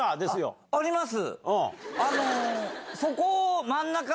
あります。